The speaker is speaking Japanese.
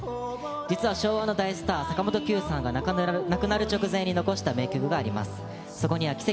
実は昭和の大スター、坂本九さんが亡くなる直前に残した名曲があります。